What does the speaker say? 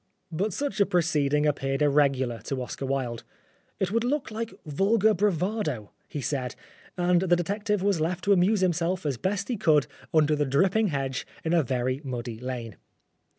But such a proceeding appeared irregular to Oscar Wilde. " It would look like vulgar bra vado," he said, and the detective was left to amuse himself as best as he could under the dripping hedge in a very muddy lane.